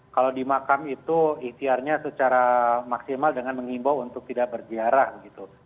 kalau di makam itu ikhtiarnya secara maksimal dengan mengimbau untuk tidak berziarah gitu